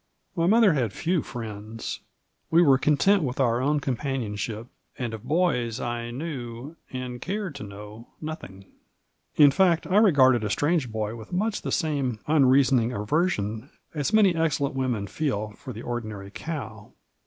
My mother had few friends ; we were content with our own companionship, and of boys I knew and cared to know nothing ; in fact, I regarded a strange boy with much the same unreasoning aversion as many excellent women feel for the ordinary cow.